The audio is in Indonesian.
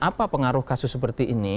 apa pengaruh kasus seperti ini